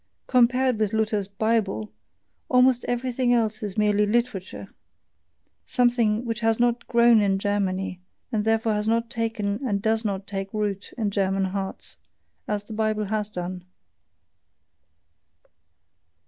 Compared with Luther's Bible, almost everything else is merely "literature" something which has not grown in Germany, and therefore has not taken and does not take root in German hearts, as the Bible has done.